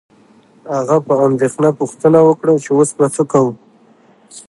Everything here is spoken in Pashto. هغه په اندیښنه پوښتنه وکړه چې اوس به څه کوو